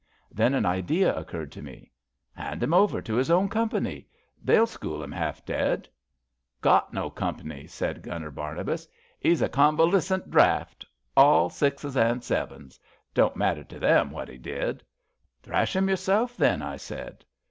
Then an idea occurred to me. *' Hand him over to his own Company. They'll school him half dead." Got no Comp'ny," said Gunner Barnabas. 'E's a conv'lessint draft — all sixes an' sevens. Don't matter to them what he did." Thrash him yourself, then," I said.